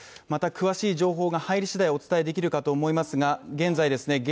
また詳しい情報が入り次第お伝えできるかと思いますが、現在ですね